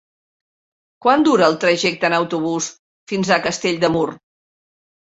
Quant dura el trajecte en autobús fins a Castell de Mur?